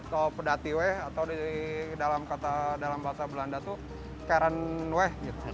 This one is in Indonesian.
atau pedatiwe atau dalam bahasa belanda itu keranwe